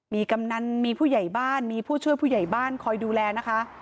มีกำนันมีผู้ใหญ่บ้านมีผู้ช่วยผู้ใหญ่บ้านคอยดูแลนะคะ